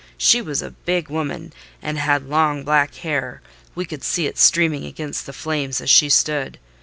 She was a big woman, and had long black hair: we could see it streaming against the flames as she stood.